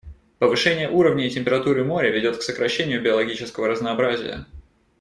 Повышение уровня и температуры моря ведет к сокращению биологического разнообразия.